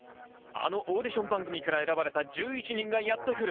あのオーディション番組から選ばれた１１人がやってくる。